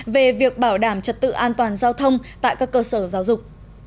về việc bảo đảm trật tự an toàn giao thông tại các cơ sở giáo dục